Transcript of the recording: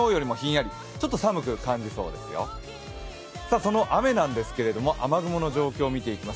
その雨なんですけれども、雨雲の状況を見ていきます。